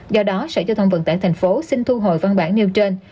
do đó sở giao thông vận tải tp hcm xin thu hồi văn bản nêu trên